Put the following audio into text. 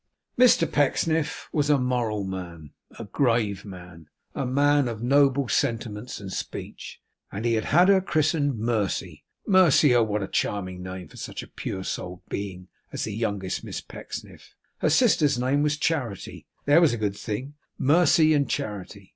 Mr Pecksniff was a moral man a grave man, a man of noble sentiments and speech and he had had her christened Mercy. Mercy! oh, what a charming name for such a pure souled Being as the youngest Miss Pecksniff! Her sister's name was Charity. There was a good thing! Mercy and Charity!